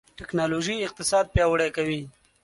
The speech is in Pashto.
ټکنالوژي اقتصاد پیاوړی کوي.